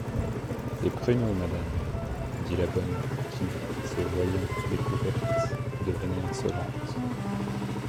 Des pruneaux, madame, dit la bonne, qui, se voyant découverte, devenait insolente.